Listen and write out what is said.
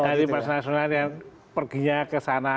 dari pers nasional yang perginya ke sana